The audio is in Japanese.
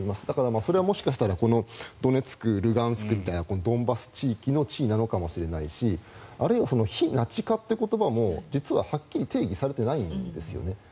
だから、それはもしかしたらドネツク、ルガンスクみたいなドンバス地域の地位なのかもしれないしあるいは非ナチ化という言葉も実は、はっきり定義されていないんですよね。